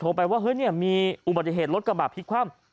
ไปว่าเฮ้ยเนี่ยมีอุบัติเหตุรถกระบะพลิกคว่ำ